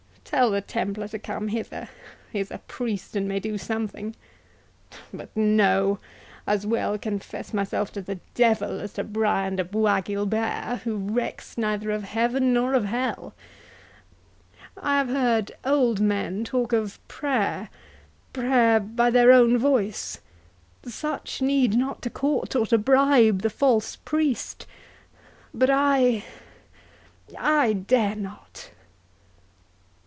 —Tell the Templar to come hither—he is a priest, and may do something—But no!—as well confess myself to the devil as to Brian de Bois Guilbert, who recks neither of heaven nor of hell.—I have heard old men talk of prayer—prayer by their own voice—Such need not to court or to bribe the false priest—But I—I dare not!"